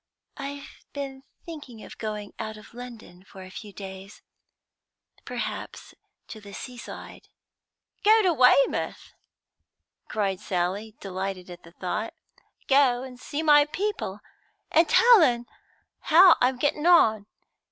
"I've been thinking of going out of London for a few days, perhaps to the seaside." "Go to Weymouth!" cried Sally, delighted at the thought. "Go and see my people, and tell un how I'm getting on.